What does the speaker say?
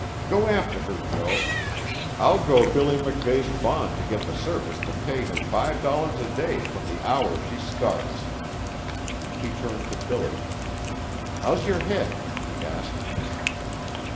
Go after her, Joe. I'll go Billy MacVeigh's bond to get the Service to pay her five dollars a day from the hour she starts!" He turned to Billy. "How's your head?" he asked.